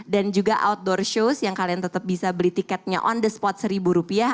dan juga outdoor show yang kalian tetap bisa beli tiketnya on the spot seribu rupiah